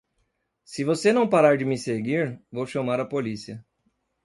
Se você não parar de me seguir, vou chamar a polícia.